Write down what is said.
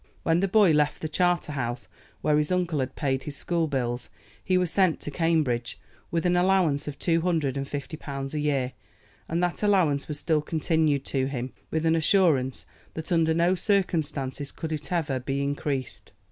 When the boy left the Charter house, where his uncle had paid his school bills, he was sent to Cambridge, with an allowance of two hundred and fifty pounds a year, and that allowance was still continued to him, with an assurance that under no circumstances could it ever be increased.